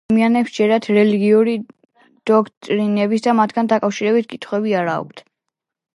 ადამიანებს სჯერათ რელიგიური დოქტრინების და მათთან დაკავშირებით კითხვები არა აქვთ.